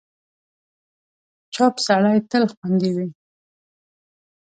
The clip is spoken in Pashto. چوپ سړی، تل خوندي وي.